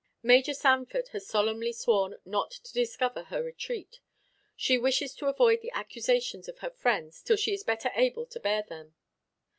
"Major Sanford has solemnly sworn not to discover her retreat. She wishes to avoid the accusations of her friends till she is better able to bear them.